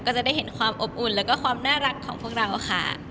ก็จะได้เห็นความอบอุ่นแล้วก็ความน่ารักของพวกเราค่ะ